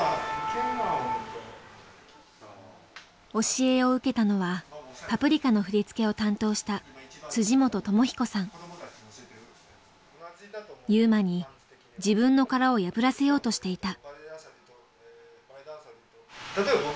教えを受けたのは「パプリカ」の振り付けを担当した優真に自分の殻を破らせようとしていた。